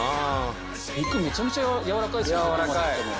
肉めちゃめちゃ軟らかいですね。